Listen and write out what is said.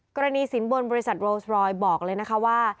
กรณีสินบนบริษัทโลสรอยบอกเลยนะคะว่า